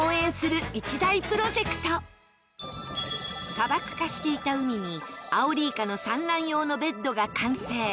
砂漠化していた海にアオリイカの産卵用ベッドが完成。